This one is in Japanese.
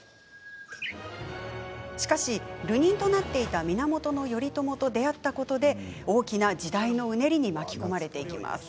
しかし、流人となっていた源頼朝と出会ったことで大きな時代のうねりに巻き込まれていきます。